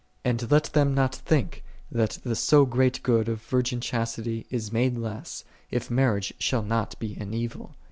And let them not think that the so great good of virgin chastity is made less, if marriage shall not be an evil.